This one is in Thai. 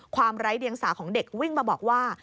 ไร้เดียงสาของเด็กวิ่งมาบอกว่า